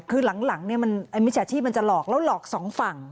คือหลังมิจฉาชีพมันจะหลอกแล้วหลอกสองฝั่ง